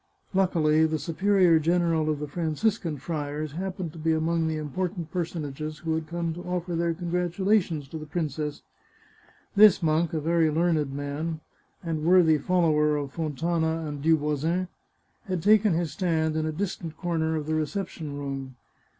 Luckily, the superior general of the Franciscan Friars happened to be among the important personages who had come to offer their congratulations to the princess. This monk, a very learned man, and worthy follower of Fontana and Duvoisin, had taken his stand in a distant corner of the reception room.